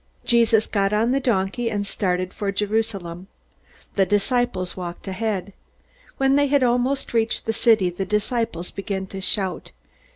Jesus got on the donkey, and started for Jerusalem. The disciples walked ahead. When they had almost reached the city, the disciples began to shout.